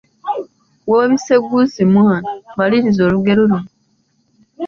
Wabisegguusi mwana, maliriza olugero luno.